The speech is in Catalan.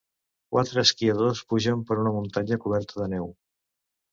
quatre esquiadors pugen per una muntanya coberta de neu